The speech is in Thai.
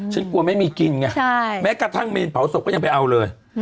กลัวไม่มีกินไงแม้กระทั่งเมนเผาศพก็ยังไปเอาเลย